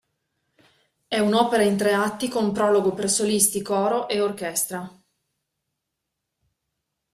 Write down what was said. È un'opera in tre atti con prologo per solisti, coro e orchestra.